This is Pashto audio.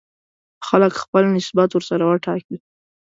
خلک خپل نسبت ورسره وټاکي.